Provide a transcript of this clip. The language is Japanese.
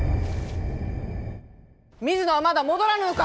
水野はまだ戻らぬのか！